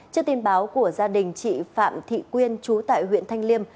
trước tin báo của gia đình chị phạm thị quyên chú tại huyện thanh liêm